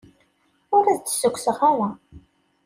Ur as-d-ssukkseɣ ara.